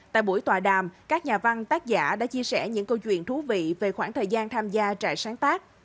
tại buổi tòa đàm các nhà văn tác giả đã chia sẻ những câu chuyện thú vị về khoảng thời gian tham gia trại sáng tác